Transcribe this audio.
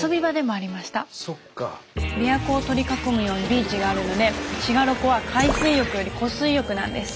びわ湖を取り囲むようにビーチがあるので滋賀ロコは海水浴より湖水浴なんです。